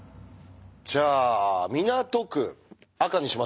じゃあ港区赤にしましょう。